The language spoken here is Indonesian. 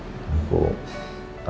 coba nanti aku telpon deh